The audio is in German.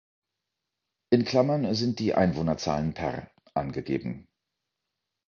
In Klammern sind die Einwohnerzahlen per angegeben.